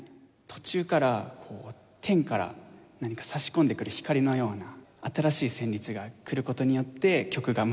途中からこう天から何か差し込んでくる光のような新しい旋律が来る事によって曲が前に進んでいくという。